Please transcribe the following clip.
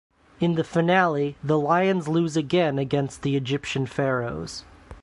In the finale, the Lions lose again against the Egyptian Pharaohs.